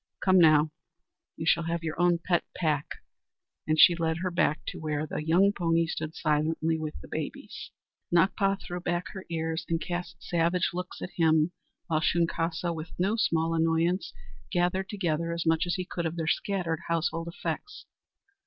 "Come, now, you shall have your own pet pack," and she led her back to where the young pony stood silently with the babies. Nakpa threw back her ears and cast savage looks at him, while Shunkaska, with no small annoyance, gathered together as much as he could of their scattered household effects.